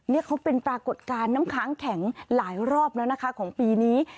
นี่เขาเป็นปรากฏการณ์น้ำค้างแข็งหลายรอบแล้วนะคะของปีนี้